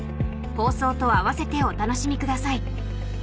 放送と合わせてお楽しみください。